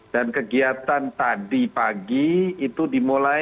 dan kegiatan tadi pagi itu dimulai